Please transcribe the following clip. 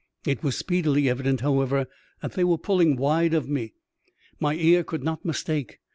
It was speedily evident, however, that they were pulling wide of me. My ear could not mistake.